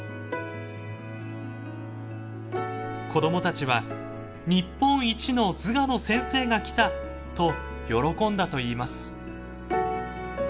子供たちは「日本一の図画の先生が来た！」と喜んだといいます。